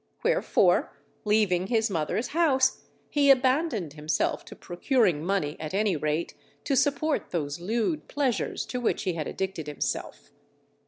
Wherefore, leaving his mother's house, he abandoned himself to procuring money at any rate to support those lewd pleasures to which he had addicted himself.